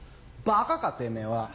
バカかてめぇは。